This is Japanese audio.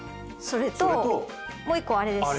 それともう一個あれです。